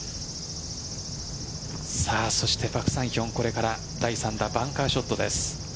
そして、パク・サンヒョンはこれから第３打バンカーショットです。